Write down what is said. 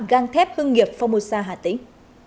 gang thép hương nghiệp phomosa hà tĩnh